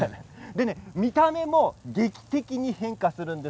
見た目も劇的に変化するんです。